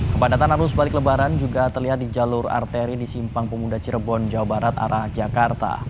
kepadatan arus balik lebaran juga terlihat di jalur arteri di simpang pemuda cirebon jawa barat arah jakarta